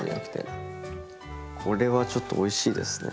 これはちょっとおいしいですね。